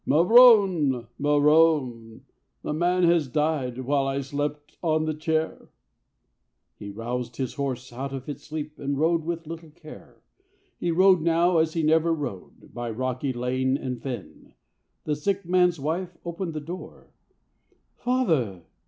"Mavrone, mavrone! the man has died, "While I slept on the chair"; He roused his horse out of its sleep, And rode with little care. He rode now as he never rode, By rocky lane and fen; The sick man's wife opened the door: "Father!